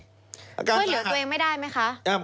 ช่วยเหลือตัวเองไม่ได้ไหมคะ